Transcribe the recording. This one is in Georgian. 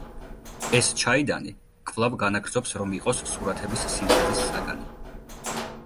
ეს ჩაიდანი კვლავ განაგრძობს რომ იყოს სურათების სინთეზის საგანი.